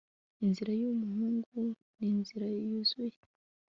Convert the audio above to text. inzira yumuhungu ninzira yuzuye